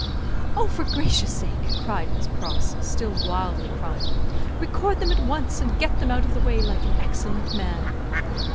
"Oh, for gracious sake!" cried Miss Pross, still wildly crying, "record them at once, and get them out of the way, like an excellent man."